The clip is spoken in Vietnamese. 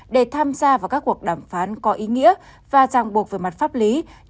để tham gia vào các cuộc đàm phán có ý nghĩa và giảng buộc về mặt pháp của tổng thống ukraine